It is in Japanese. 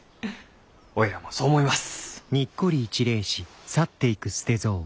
おいらもそう思います。